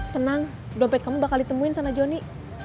tenang dompet kamu bakal ditemuin sama johnny